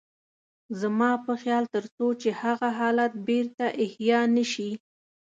زما په خيال تر څو چې هغه حالت بېرته احيا نه شي.